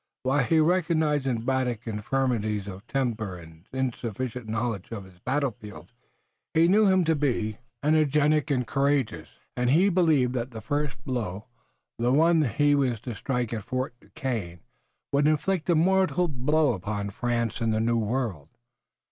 While he recognized in Braddock infirmities of temper and insufficient knowledge of his battlefield, he knew him to be energetic and courageous and he believed that the first blow, the one that he was to strike at Fort Duquesne, would inflict a mortal blow upon France in the New World.